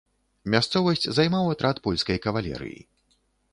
Мясцовасць займаў атрад польскай кавалерыі.